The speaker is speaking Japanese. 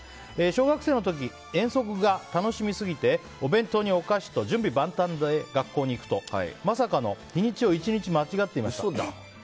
小学生の時、遠足が楽しみすぎてお弁当にお菓子と準備万端で学校に行くと、まさかの日にちを１日間違っていました。